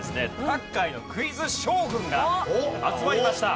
各界のクイズ将軍が集まりました。